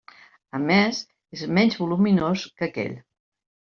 A més és menys voluminós que aquell.